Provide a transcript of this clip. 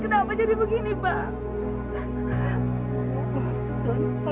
kenapa jadi begini pak